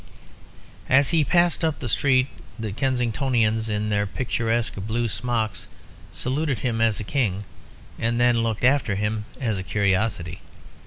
As he passed up the street the Kensingtonians, in their picturesque blue smocks, saluted him as a King, and then looked after him as a curiosity.